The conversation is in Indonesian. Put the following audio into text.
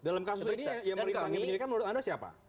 dalam kasus ini yang melibatkan penyidikan menurut anda siapa